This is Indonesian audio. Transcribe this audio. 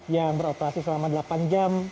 yang beroperasi selama delapan jam